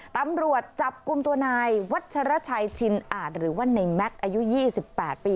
ตำรวจจับกลุ่มตัวนายวัชรชัยชินอาจหรือว่าในแม็กซ์อายุ๒๘ปี